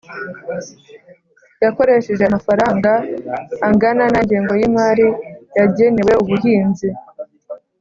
yakoresheje amafaranga angana nay ingengo y imari yagenewe ubuhinzi